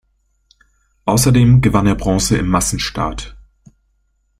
Außerdem gewann er Bronze im Massenstart.